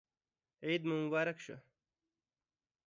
عید مو مبارک شه